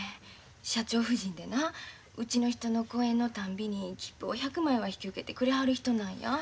社長夫人でなうちの人の公演のたんびに切符を１００枚は引き受けてくれはる人なんや。